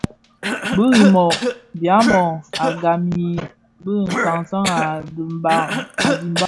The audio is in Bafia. Bi Rimoh (Biamo) et Gahn bi sansan a dimbag.